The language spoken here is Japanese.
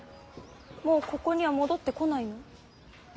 もうここには戻ってこないの？